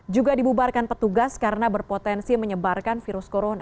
juga dibubarkan petugas karena berpotensi menyebarkan virus corona